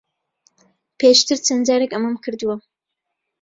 پێشتر چەند جارێک ئەمەم کردووە.